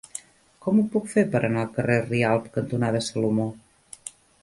Com ho puc fer per anar al carrer Rialb cantonada Salomó?